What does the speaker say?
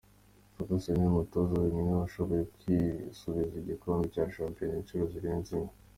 Ferguson ni we mutoza wenyine washoboye kwisubiza igikombe cya shampiyona inshuro zirenze imwe.